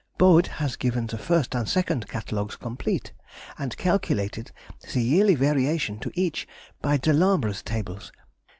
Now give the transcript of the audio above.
Bode has given the first and second Catalogues complete, and calculated the yearly variation to each by de Lambre's Tables.